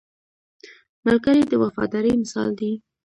ملګری د وفادارۍ مثال دی